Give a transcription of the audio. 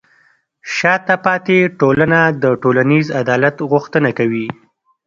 شاته پاتې ټولنه د ټولنیز عدالت غوښتنه کوي.